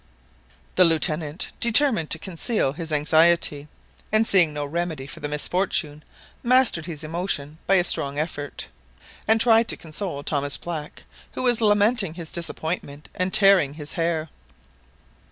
The Lieutenant determined to conceal his anxiety, and seeing no remedy for the misfortune, mastered his emotion by a strong effort, and tried to console Thomas Black, who was lamenting his disappointment and tearing his hair.